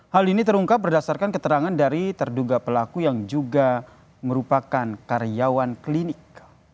hal ini terungkap berdasarkan keterangan dari terduga pelaku yang juga merupakan karyawan klinik